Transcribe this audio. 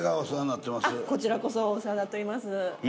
あっこちらこそお世話になっております。